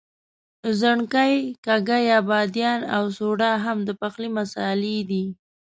ځڼکۍ، کاږه یا بادیان او سوډا هم د پخلي مسالې دي.